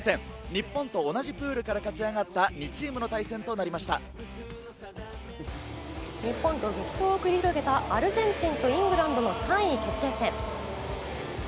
日本と同じプールから勝ち上がっ日本と激闘を繰り広げたアルゼンチンとイングランドの３位決定戦。